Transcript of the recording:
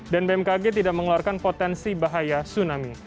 dan bmkg tidak mengeluarkan potensi bahaya tsunami